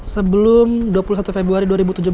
sebelum dua puluh satu februari dua ribu tujuh belas